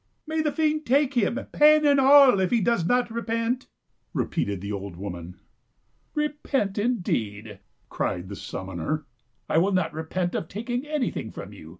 " May the fiend take him, pan and all, if he does not repent !" repeated the old woman. " Repent, indeed !" cried the summoner. " I '11 not repent of taking anything from you.